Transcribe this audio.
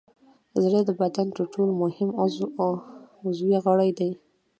زړه د بدن تر ټولو مهم عضوي غړی دی.